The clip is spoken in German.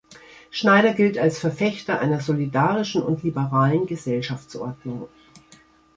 Schneider gilt als Verfechter einer solidarischen und liberalen Gesellschaftsordnung.